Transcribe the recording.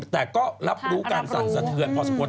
แต่ก็รับรู้การสั่นสะเทือนพอสมควร